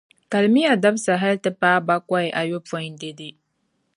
kalimiya dabisa hali ti paai bakɔi ayopɔin dɛde.